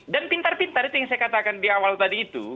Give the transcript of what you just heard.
dan pintar pintar itu yang saya katakan di awal tadi itu